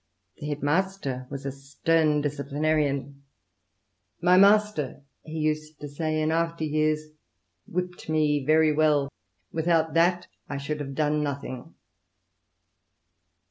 The head master was a stern disciplinarian. My master," INTROD VCTION. v he used to say in after years, "whipt me very well. Without that, I should have done nothing."